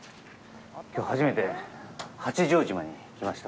きょう、初めて八丈島に来ました。